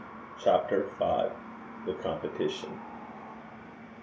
CHAPTER V. THE COMPETITION.